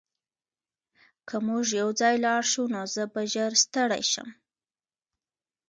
که موږ یوځای لاړ شو نو زه به ژر ستړی شم